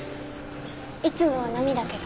いつもは並だけど。